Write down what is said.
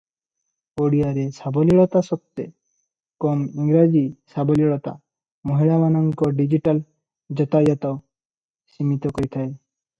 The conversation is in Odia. ଓଡ଼ିଆରେ ସାବଲୀଳତା ସତ୍ତ୍ୱେ କମ ଇଂରାଜୀ ସାବଲୀଳତା ମହିଳାମାନଙ୍କ ଡିଜିଟାଲ ଯାତାୟାତ ସୀମିତ କରିଥାଏ ।